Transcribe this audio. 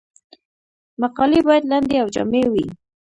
مقالې باید لنډې او جامع وي.